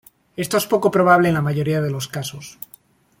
Esto es poco probable en la mayoría de los casos".